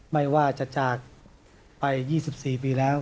ไม่ว่าจะจากไป๒๔ปีแล้ว